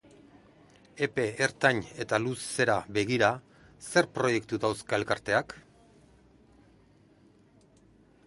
Epe ertain eta luzera begira, zer proiektu dauzka elkarteak?